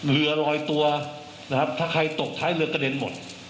เรือลอยตัวนะครับถ้าใครตกท้ายเรือกระเด็นหมด